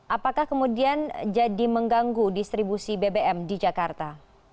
apakah kemudian jadi mengganggu distribusi bbm di jakarta